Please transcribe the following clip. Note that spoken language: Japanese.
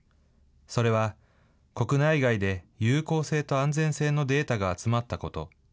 それは、国内外で有効性と安全性のデータが集まったこと。